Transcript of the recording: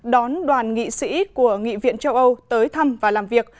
đón đoàn nghị sĩ của nghị viện châu âu tới thăm và làm việc